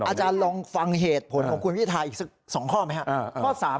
อาจารย์ลองฟังเหตุผลของคุณพิทาอีกสัก๒ข้อไหมครับ